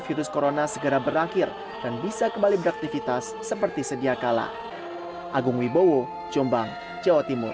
virus corona segera berakhir dan bisa kembali beraktivitas seperti sedia kala agung wibowo jombang jawa timur